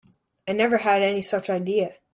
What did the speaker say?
I never had any such idea.